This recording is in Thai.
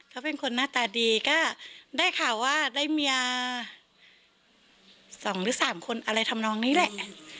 เขาเป็นคนหน้าตาดีก็ได้ข่าวว่าได้เมีย๒หรือ๓คนอะไรทำนองนี้แหละ